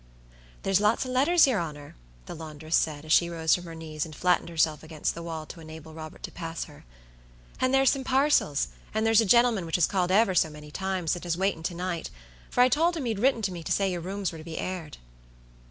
"There's lots of letters, yer honor," the laundress said, as she rose from her knees and flattened herself against the wall to enable Robert to pass her, "and there's some parcels, and there's a gentleman which has called ever so many times, and is waitin' to night, for I towld him you'd written to me to say your rooms were to be aired."